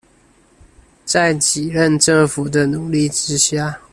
在幾任政府的努力之下